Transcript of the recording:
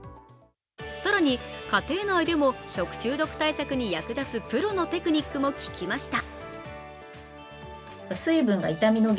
更に、家庭内でも食中毒対策に役立つプロのテクニックも聞きました。